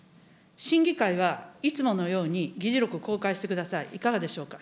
審議会はいつものように議事録公開してください、いかがでしょうか。